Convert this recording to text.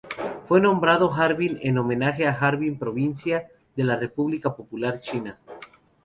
Fue nombrado Harbin en homenaje a Harbin provincia de la República Popular China.